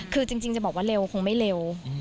คือจริงจะบอกว่าเร็วคงไม่เร็ว